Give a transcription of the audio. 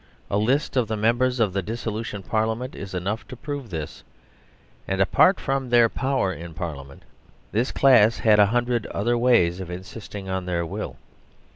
A list of the members of the Dissolution Parlia ment is enough to prove this, and, apart from their power in Parliament, this class had a hundred other ways of insisting on their will.